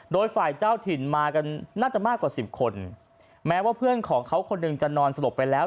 โดยฝ่ายเจ้าถิ่นมากันน่าจะมากกว่าสิบคนแม้ว่าเพื่อนของเขาคนหนึ่งจะนอนสลบไปแล้ว